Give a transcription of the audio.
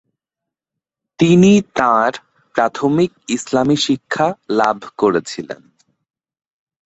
তিনি তাঁর প্রাথমিক ইসলামী শিক্ষা লাভ করেছিলেন।